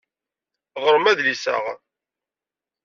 Ɣrem adlis-a.